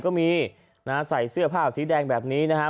ก็มีนะฮะใส่เสื้อผ้าสีแดงแบบนี้นะฮะ